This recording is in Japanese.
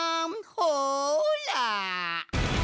ほら！